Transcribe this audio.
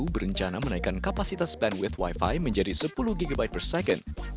berencana menaikkan kapasitas bandwidth wi fi menjadi sepuluh gb per second